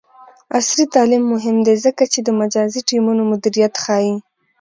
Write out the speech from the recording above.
عصري تعلیم مهم دی ځکه چې د مجازی ټیمونو مدیریت ښيي.